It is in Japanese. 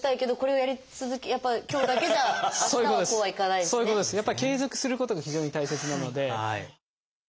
やっぱり継続することが非常に大切なので。